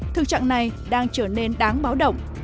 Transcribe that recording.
thực trạng này đang trở nên đáng báo động